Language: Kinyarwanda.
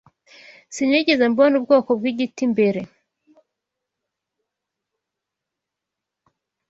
Sinigeze mbona ubwoko bw'igiti mbere.